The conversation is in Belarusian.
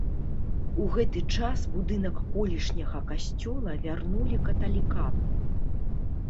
У гэты час будынак колішняга касцёла вярнулі каталікам.